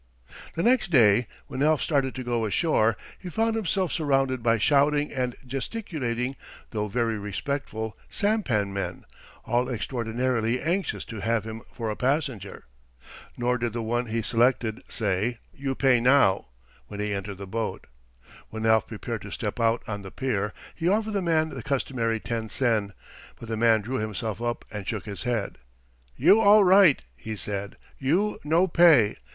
The next day, when Alf started to go ashore, he found himself surrounded by shouting and gesticulating, though very respectful, sampan men, all extraordinarily anxious to have him for a passenger. Nor did the one he selected say, "You pay now," when he entered his boat. When Alf prepared to step out on to the pier, he offered the man the customary ten sen. But the man drew himself up and shook his head. "You all right," he said. "You no pay.